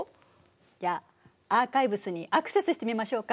じゃあアーカイブスにアクセスしてみましょうか。